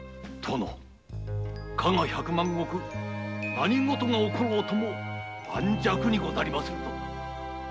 加賀百万石は何ごとが起ころうと盤石にござりまするぞ。